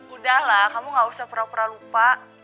udahlah kamu gak usah pera pera lupa